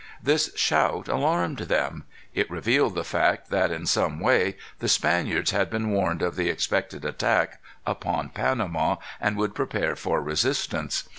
This shout alarmed them. It revealed the fact that, in some way, the Spaniards had been warned of the expected attack upon Panama, and would prepare for resistance.